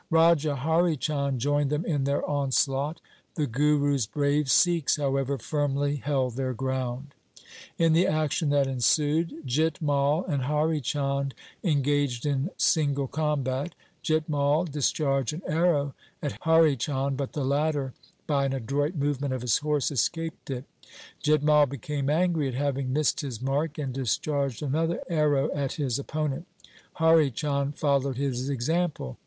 Raja Hari Chand joined them in their onslaught. The Guru's brave Sikhs, how ever, firmly held their ground. In the action that 1 A tribe of Khatris. LIFE OF GURU GOBIND SINGH 43 ensued Jit Mai and Hari Chand engaged in single combat. Jit Mai discharged an arrow at Hari Chand, but the latter by an adroit .movement of his horse escaped it. Jit Mai became angry at having missed his mark, and discharged another arrow at his opponent. Hari Chand followed his example.